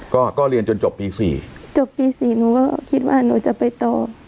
ก็ก็เรียนจนจบปีสี่จบปีสี่หนูก็คิดว่าหนูจะไปต่อ